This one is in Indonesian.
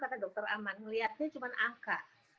karena dokter aman melihatnya cuman angka